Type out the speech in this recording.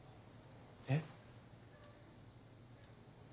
えっ？